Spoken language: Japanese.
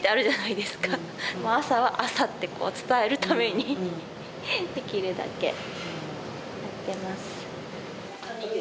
朝は朝って伝えるためにできるだけやってます。